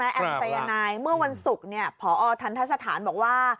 แอมสายนายเมื่อวันศุกร์พอทันทะสถานบอกว่า